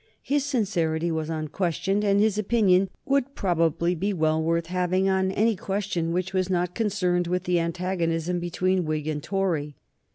His sincerity was unquestioned, and his opinion would probably be well worth having on any question which was not concerned with the antagonism between Whig and Tory.